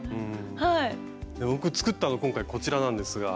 僕作ったの今回こちらなんですが。